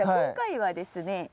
今回はですね